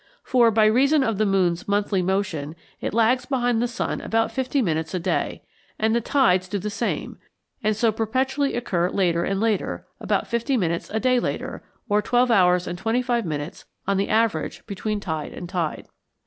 For by reason of the moon's monthly motion it lags behind the sun about fifty minutes a day, and the tides do the same, and so perpetually occur later and later, about fifty minutes a day later, or 12 hours and 25 minutes on the average between tide and tide.